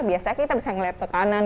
biasanya kita bisa melihat ke kanan